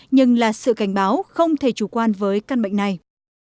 nhưng là sự cảnh báo không thể chủ quan với căn bệnh này